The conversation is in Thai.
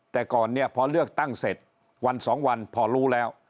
แต่ก่อนเนี่ยพอเลือกตั้งเสร็จวันสองวันพอรู้แล้ว